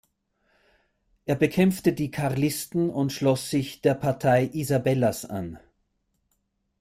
Er bekämpfte die Karlisten und schloss sich der Partei Isabellas an.